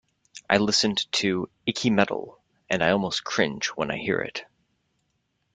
I listened to "Icky Mettle", and I almost cringe when I hear it.